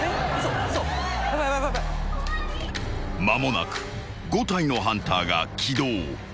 ［間もなく５体のハンターが起動］